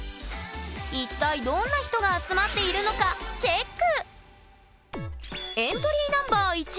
一体どんな人が集まっているのかチェック！